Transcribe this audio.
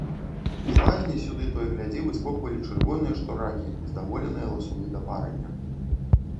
З лазні сюды то й глядзі выскоквалі чырвоныя, што ракі, здаволеныя ласуны да парання.